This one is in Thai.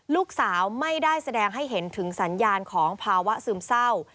ลูกสาวไม่ได้แสดงให้เห็นถึงสัญญาณของภาวะซึมเศร้า